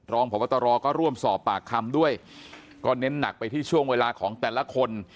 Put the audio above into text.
รองพบตรก็ร่วมสอบปากคำด้วยก็เน้นหนักไปที่ช่วงเวลาของแต่ละคน